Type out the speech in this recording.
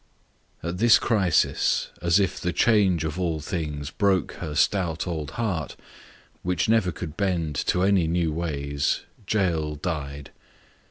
At this crisis, as if the change of all things broke her stout old heart, which never could bend to any new ways Jael died.